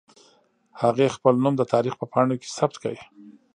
هغې خپل نوم د تاريخ په پاڼو کې ثبت کړ.